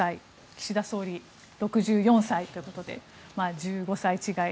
岸田総理、６４歳ということで１５歳違い。